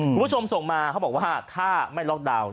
คุณผู้ชมส่งมาเขาบอกว่าถ้าไม่ล็อกดาวน์